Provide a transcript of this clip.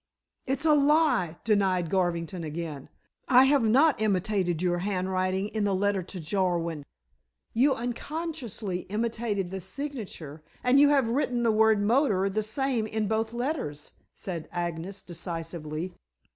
"It's a lie," denied Garvington again. "I have not imitated your handwriting in the letter to Jarwin." "You unconsciously imitated the signature, and you have written the word motor the same in both letters," said Agnes decisively.